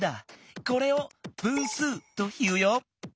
これを「分数」というよ。